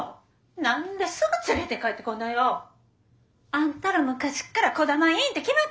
何ですぐ連れて帰ってこんのよ！あんたら昔から児玉医院って決まってんのや！